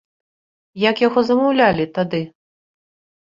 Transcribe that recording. Як яго замаўлялі тады?